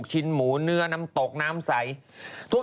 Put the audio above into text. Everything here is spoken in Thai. สนุนโดยดีที่สุดคือการให้ไม่สิ้นสุด